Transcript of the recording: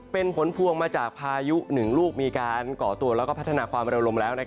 เป็นผลพวงมาจากพายุหนึ่งลูกมีการก่อตัวและพัฒนาความเร็วลมแล้ว